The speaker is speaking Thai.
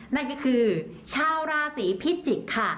นั่นก็คือชาวราศีพิจิกษ์ค่ะ